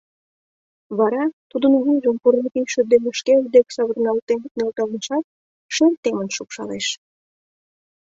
Вара тудын вуйжым пурла кидше дене шкеж дек савырналтен нӧлталешат, шер темын шупшалеш.